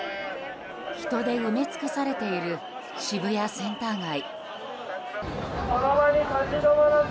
人で埋め尽くされている渋谷センター街。